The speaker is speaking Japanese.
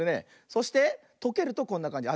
そしてとけるとこんなかんじ。